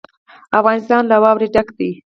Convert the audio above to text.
افغانستان له واوره ډک دی.